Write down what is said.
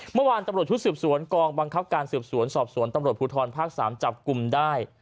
เมื่อวานตำรวจชุดสืบสวนกองบังคับการสืบสวนสอบสวนตำรวจภูทรภาค๓จับกลุ่มได้